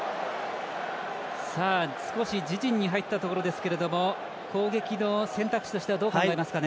少し、自陣に入ったところですけれども攻撃の選択肢としてはどう考えますかね。